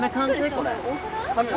これ。